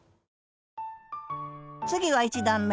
次は１段め。